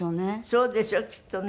そうでしょうきっとね。